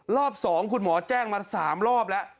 รอบสองคุณหมอแจ้งมาสามรอบแล้ว